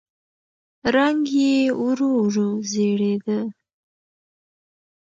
رنګ يې ورو ورو زېړېده.